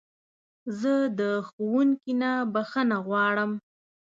زه د ښوونکي نه بخښنه غواړم.